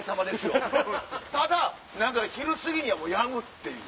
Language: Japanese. ただ昼過ぎにはやむっていう。